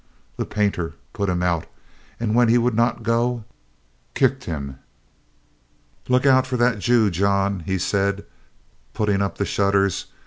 The painter put him out, and when he would not go, kicked him. "Look out for that Jew, John," he said, putting up the shutters.